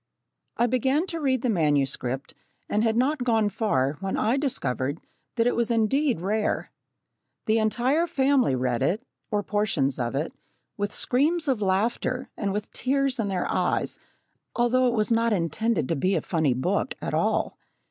I began to read the manuscript, and had not gone far when I discovered that it was indeed rare. The entire family read it, or portions of it, with screams of laughter, and with tears in their eyes, although it was not intended to be a funny book at all.